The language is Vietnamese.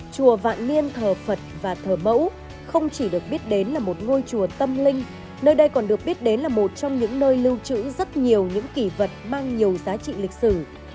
chùa vạn niên thờ phật và thờ mẫu không chỉ được biết đến là một ngôi chùa tâm linh nơi đây còn được biết đến là một trong những nơi lưu trữ rất nhiều những kỷ vật mang nhiều giá trị lịch sử